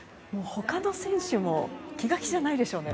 他の選手も気が気じゃないでしょうね。